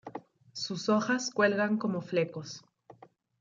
Sus hojas cuelgan como flecos.